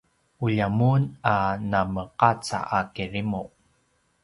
ulja mun a nameqaca a kirimu